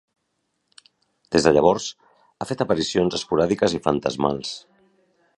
Des de llavors, ha fet aparicions esporàdiques i fantasmals.